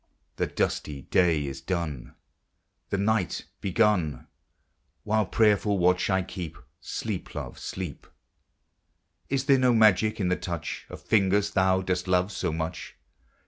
'The dusty day is done, The night begun ; While prayerful watch I keep, Sleep, love, sleep ! Is there no magic in the touch Of fingers thou dost love so much